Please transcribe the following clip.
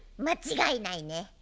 間違いないね。